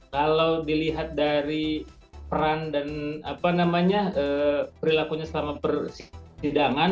kalau dilihat dari peran dan apa namanya perilakunya sama perusahaan